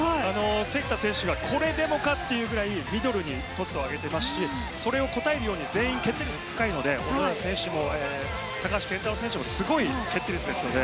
関田選手がこれでもかというぐらいミドルにトスを上げていますしそれに応えるように全員決定率が高いので高橋健太郎選手もすごい決定率ですね。